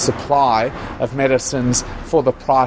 untuk harga resipi tiga puluh hari